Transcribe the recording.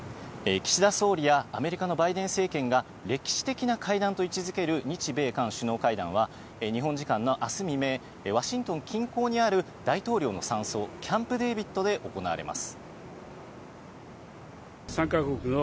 岸田総理や、アメリカのバイデン政権が歴史的な会談と位置付ける日米韓首脳会談は、日本時間のあす未明、ワシントン近郊にある大統領の山荘キャンプ・デービッドで行われます。